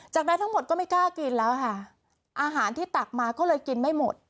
จากนั้นทั้งหมดก็ไม่กล้ากินแล้วค่ะอาหารที่ตักมาก็เลยกินไม่หมด